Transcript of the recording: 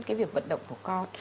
cái việc vận động của con